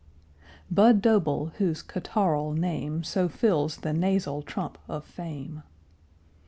Budd Doble, whose catarrhal name So fills the nasal trump of fame.